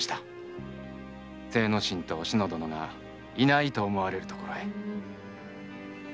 精之進とお篠殿がいないと思われるところへ。